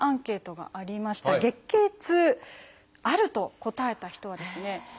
月経痛「ある」と答えた人はですね